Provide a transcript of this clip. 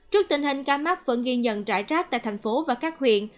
trước tình hình ca mắc vẫn ghi nhận rải rác tại thành phố và các huyện